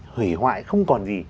hủy hoại không còn gì